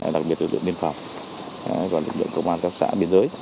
đặc biệt lực lượng biên phòng và lực lượng công an các xã biên giới